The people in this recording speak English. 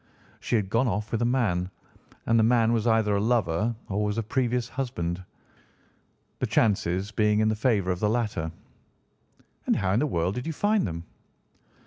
She had gone off with a man, and the man was either a lover or was a previous husband—the chances being in favour of the latter." "And how in the world did you find them?"